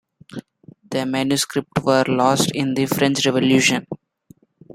The manuscripts were lost in the French Revolution.